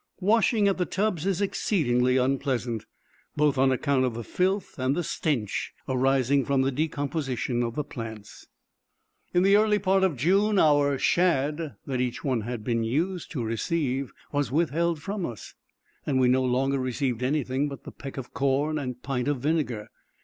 Washing at the tubs is exceedingly unpleasant, both on account of the filth and the stench arising from the decomposition of the plants. In the early part of June, our shad, that each one had been used to receive, was withheld from us, and we no longer received any thing but the peck of corn and pint of vinegar.